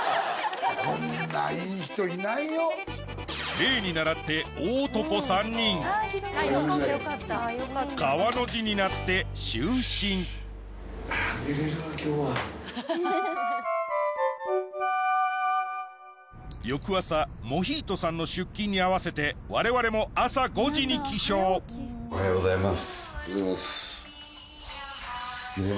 例に倣って川の字になって翌朝モヒートさんの出勤に合わせてわれわれも朝５時に起床おはようございます。